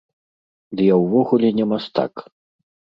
Ды я ўвогуле не мастак!